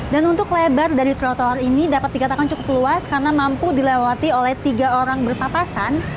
dan untuk lebar dari trotoar ini dapat dikatakan cukup luas karena mampu dilewati oleh tiga orang berpapasan